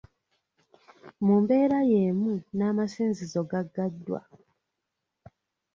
Mu mbeera y'emu n’amasinzizo gaggaddwa.